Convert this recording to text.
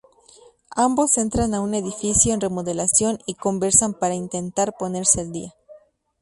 Ambos entran a un edificio en remodelación y conversan para intentar ponerse al día.